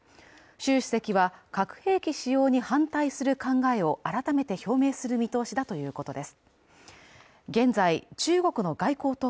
習主席は核兵器使用に反対する考えを改めて表明する見通しだということです。